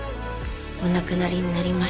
お亡くなりになりました。